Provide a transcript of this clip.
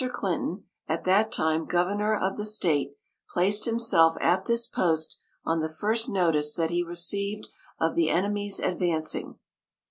Clinton, at that time governor of the state, placed himself at this post on the first notice that he received of the enemy's advancing.